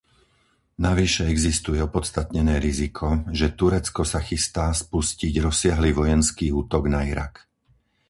Navyše existuje opodstatnené riziko, že Turecko sa chystá spustiť rozsiahly vojenský útok na Irak.